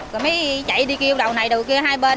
rồi mới chạy đi kêu đầu này đầu kia hai bên